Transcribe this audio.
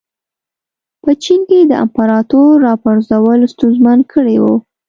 په چین کې د امپراتور راپرځول ستونزمن کړي وو.